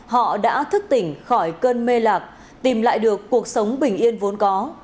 họ đã thức tỉnh khỏi cơn mê lạc tìm lại được cuộc sống bình yên vốn có